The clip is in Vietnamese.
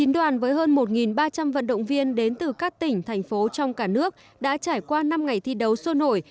một mươi đoàn với hơn một ba trăm linh vận động viên đến từ các tỉnh thành phố trong cả nước đã trải qua năm ngày thi đấu sôi nổi